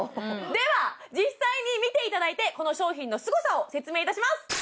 では実際に見ていただいてこの商品のすごさを説明いたします